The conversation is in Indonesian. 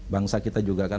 bangsa kita juga akan